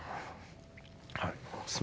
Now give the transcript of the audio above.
はい。